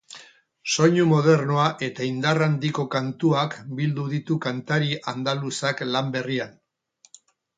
Soinu modernoa eta indar handiko kantuak bildu ditu kantari andaluzak lan berrian.